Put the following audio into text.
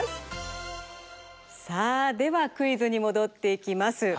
さあではクイズにもどっていきます。